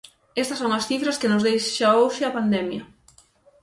Estas son as cifras que nos deixa hoxe a pandemia.